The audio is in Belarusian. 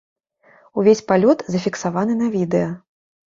Увесь палёт зафіксаваны на відэа.